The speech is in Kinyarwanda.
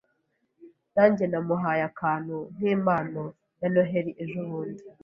Nanjye namuhaye akantu nkimpano ya Noheri ejobundi.